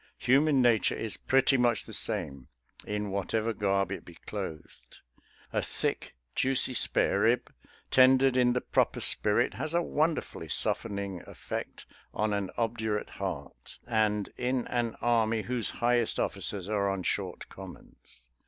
Human nature is pretty much the same, in whatever garb it be clothed. FORAGING FOR HOG MEAT 163 A thick, juicy sparerib, tendered in the proper spirit, has a wonderfully softening effect on an obdurate heart, and in an army whose highest officers are on short commons.